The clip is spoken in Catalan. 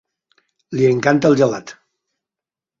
Li encanta el gelat.